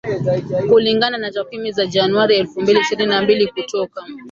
Kulingana na takwimu za Januari elfu mbili ishirni na mbili kutoka